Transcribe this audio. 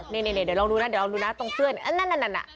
เดี๋ยวลองดูนะตรงเสื้อนั่นนั่น